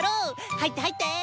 入って入って！